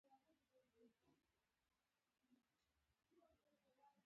نورو لوبغاړو سره سیال کېدو لاره ده.